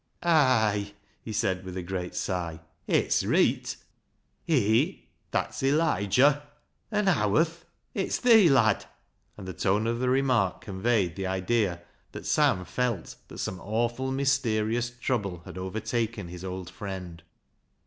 " Ay !" he said, with a great sigh ;" it's reet !"" Hee, that's ' Elijah,' an' ' Howarth '—it's thee, lad," and the tone of the remark conveyed the idea that Sam felt that some awful mysterious trouble had overtaken his old friend.